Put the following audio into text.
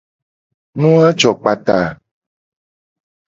Nu a jo kpata.